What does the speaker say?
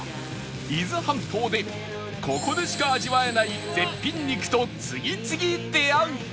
伊豆半島でここでしか味わえない絶品肉と次々出会う！